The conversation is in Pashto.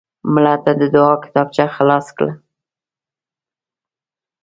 مړه ته د دعا کتابچه خلاص کړه